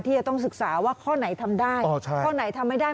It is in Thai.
จะต้องศึกษาว่าข้อไหนทำได้ข้อไหนทำไม่ได้